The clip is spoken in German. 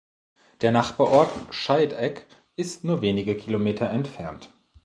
Der Nachbarort Scheidegg ist nur wenige Kilometer entfernt.